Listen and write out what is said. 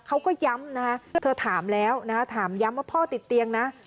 เขาก็ย้ำนะคะเธอถามแล้วนะคะถามย้ำว่าพ่อติดเตียงนะ